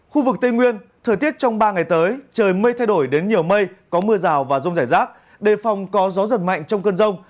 khu vực tây nguyên thời tiết trong ba ngày tới trời mây thay đổi đến nhiều mây có mưa rào và rông rải rác đề phòng có gió giật mạnh trong cơn rông